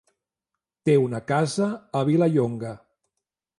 Té una casa a Vilallonga.